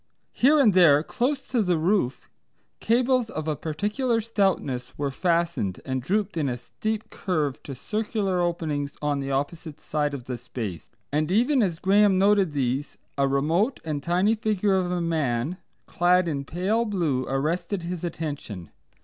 Here and there close to the roof cables of a peculiar stoutness were fastened, and drooped in a steep curve to circular openings on the opposite side of the space, and even as Graham noted these a remote and tiny figure of a man clad in pale blue arrested his attention.